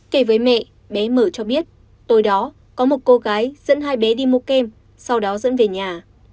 kể với mẹ bé mở cho biết tôi đó có một cô gái dẫn hai bé đi mua kem sau đó dẫn về nhà